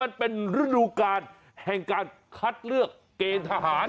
มันเป็นฤดูการแห่งการคัดเลือกเกณฑ์ทหาร